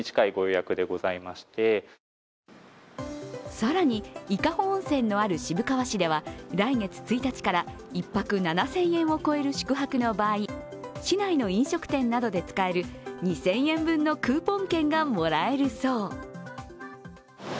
更に伊香保温泉のある渋川市では来月１日から１泊７０００円を超える宿泊の場合、市内の飲食店などで使える２０００円分のクーポン券がもらえるそう。